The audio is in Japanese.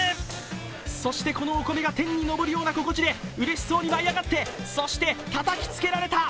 そしてこのお米が天に昇るような心地でうれしそうに舞い上がってそしてたたきつけられた！